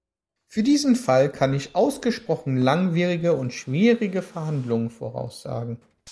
Für diesen Fall kann ich ausgesprochen langwierige und schwierige Verhandlungen voraussagen.